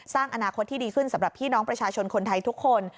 สร้างอนาคตที่ดีขึ้นสำหรับพี่น้องประชาชนคนไทยทุกคน